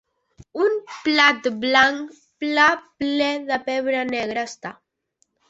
Un plat blanc, pla, ple de pebre negre està.